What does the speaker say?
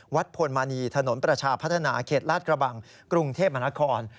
พลมณีถนนประชาพัฒนาเขตลาดกระบังกรุงเทพมหานคร